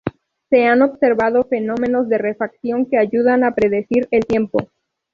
Se han observado fenómenos de refracción que ayudan a predecir el tiempo.